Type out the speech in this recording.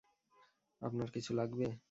আপনার কিছু লাগবে?